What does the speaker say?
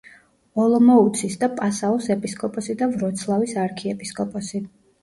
ოლომოუცის და პასაუს ეპისკოპოსი და ვროცლავის არქიეპისკოპოსი.